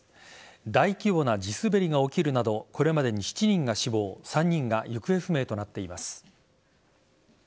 大規模な地滑りが起きるなどこれまでに７人が死亡３人が行方不明となっています。